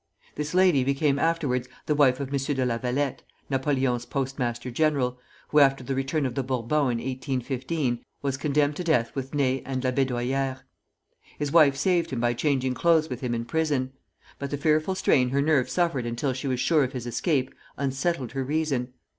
This lady became afterwards the wife of M. de La Vallette, Napoleon's postmaster general, who after the return of the Bourbons in 1815, was condemned to death with Ney and Labédoyère. His wife saved him by changing clothes with him in prison; but the fearful strain her nerves suffered until she was sure of his escape, unsettled her reason.